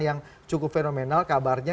yang cukup fenomenal kabarnya